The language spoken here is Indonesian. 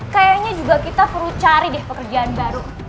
kayaknya juga kita perlu cari deh pekerjaan baru